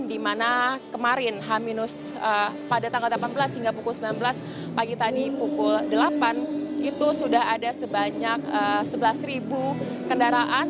di mana kemarin h pada tanggal delapan belas hingga pukul sembilan belas pagi tadi pukul delapan itu sudah ada sebanyak sebelas kendaraan